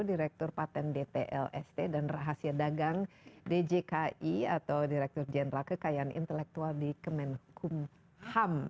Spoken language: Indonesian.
direktur paten dtlst dan rahasia dagang djki atau direktur jenderal kekayaan intelektual di kemenkumham